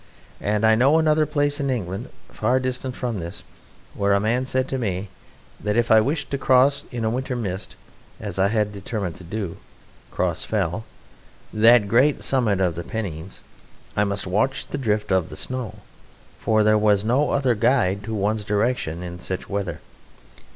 And I know another place in England, far distant from this, where a man said to me that if I wished to cross in a winter mist, as I had determined to do, Cross Fell, that great summit of the Pennines, I must watch the drift of the snow, for there was no other guide to one's direction in such weather.